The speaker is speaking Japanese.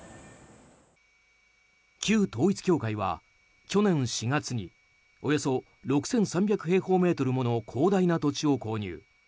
旧統一教会は去年４月におよそ６３００平方メートルもの広大な土地を購入。